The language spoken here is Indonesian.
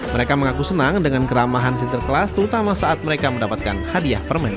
mereka mengaku senang dengan keramahan sinterklas terutama saat mereka mendapatkan hadiah permen